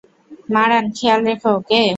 মারান, খেয়াল রেখো, ওকে?